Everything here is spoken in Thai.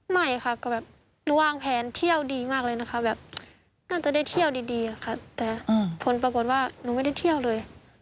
ไม่ค่ะก็แบบหนูวางแผนเที่ยวดีมากเลยนะคะแบบน่าจะได้เที่ยวดีค่ะแต่ผลปรากฏว่าหนูไม่ได้เที่ยวเลย